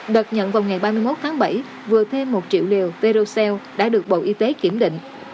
đợt nhận vào ngày ba mươi một tháng bảy vừa thêm một triệu liều perocell đã được bộ y tế kiểm định